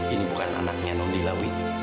ini bukan anaknya nondi lawin